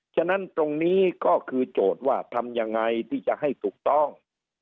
ฉะนั้นตรงนี้ก็คือโจทย์ว่าทำยังไงที่จะให้ถูกต้อง